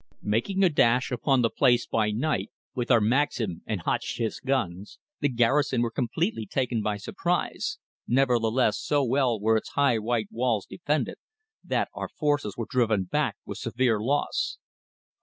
Making a dash upon the place by night with our Maxim and Hotchkiss guns, the garrison were completely taken by surprise, nevertheless so well were its high white walls defended, that our forces were driven back with severe loss.